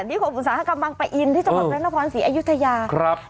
นี่คุณอุตสาหกรรมกำลังไปอินที่จังหวังรัฐนภรรณ์ศรีอยุธยา